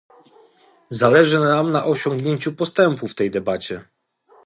Zależy nam na osiągnięciu postępu w tej debacie